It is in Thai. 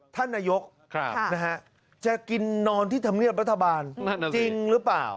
ท่านนายกจะกินนอนที่ธรรมเนียบรัฐบาลจริงหรือเปล่า